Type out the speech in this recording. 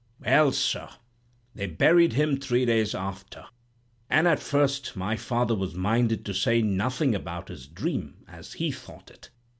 "Well, sir, they buried him three days after; and at first my father was minded to say nothing about his dream (as he thought it).